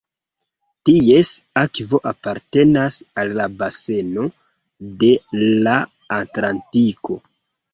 Ties akvo apartenas al la baseno de la Atlantiko.